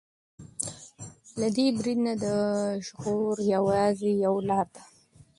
له دې برید نه د ژغور يوازې يوه لاره ده.